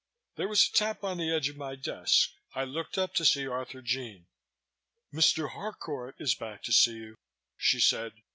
There was a tap on the edge of my desk. I looked up to see Arthurjean. "Mr. Harcourt is back to see you," she said.